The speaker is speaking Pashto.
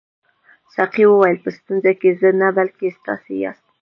ساقي وویل په ستونزه کې زه نه بلکې تاسي یاست.